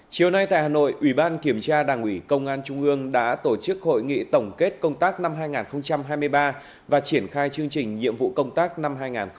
chiều nay tại hà nội ủy ban kiểm tra đảng ủy công an trung ương đã tổ chức hội nghị tổng kết công tác năm hai nghìn hai mươi ba và triển khai chương trình nhiệm vụ công tác năm hai nghìn hai mươi bốn